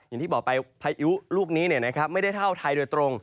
อย่างที่บอกไปพายุลูกนี้ไม่ได้เท่าไทยโดยตรง